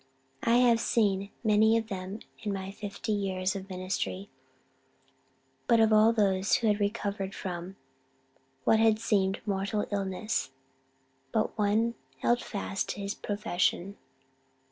I have seen many of them in my fifty years ministry, but of all those who recovered from what had seemed mortal illness, but one held fast to his profession.